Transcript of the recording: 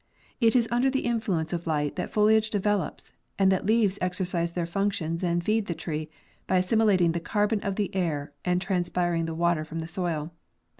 It is under the influence of light that foliage develops and that leaves exercise their functions and feed the tree by assimilating the carbon of the air and transpiring the water from the soil.